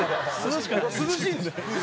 涼しいんですよ。